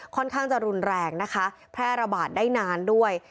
ค่อนข้างจะรุนแรงนะคะแพร่ระบาดได้นานด้วย